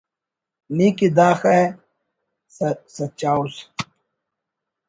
نی کہ داخہ سچا اُس